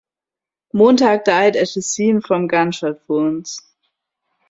Montag died at the scene from gunshot wounds.